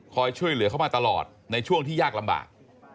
ช่วยเหลือเขามาตลอดในช่วงที่ยากลำบาก